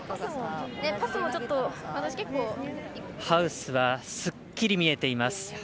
ハウスはすっきり見えています。